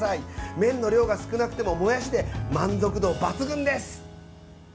麺の量が少なくてももやしで満足度抜群です。